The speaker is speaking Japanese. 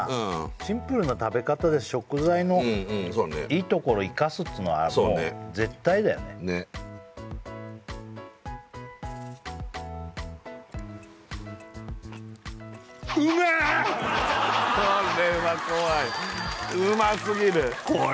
シンプルな食べ方で食材のいいところ生かすっていうのはもう絶対だよねうますぎる！